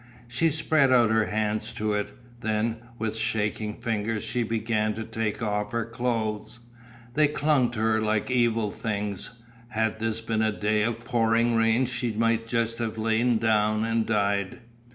She spread out her hands to it, then, with shaking fingers she began to take off her clothes. They clung to her like evil things. Had this been a day of pouring rain she might just have lain down and died.